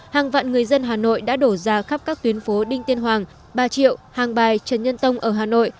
hàng vạn người dân hà nội đã đổ ra khắp các tuyến phố đinh tiên hoàng ba triệu hàng bài trần nhân tông ở hà nội